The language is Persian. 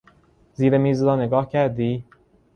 زیر میز را نگاه کردی؟